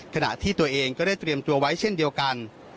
ขณะที่ตัวเองก็ได้เตรียมตัวไว้เช่นเดียวกัน